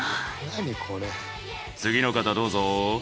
次の方どうぞ。